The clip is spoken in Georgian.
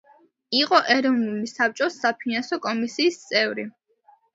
იყო ეროვნული საბჭოს საფინანსო კომისიის წევრი.